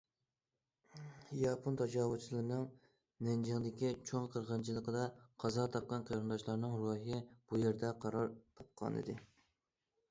ياپون تاجاۋۇزچىلىرىنىڭ نەنجىڭدىكى چوڭ قىرغىنچىلىقىدا قازا تاپقان قېرىنداشلارنىڭ روھى بۇ يەردە قارار تاپقانىدى.